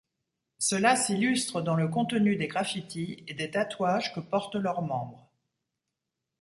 Cela s'illustre dans le contenu des graffitis et des tatouages que portent leurs membres.